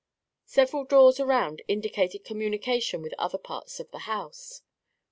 Several doors around indicated communication with other parts of the house.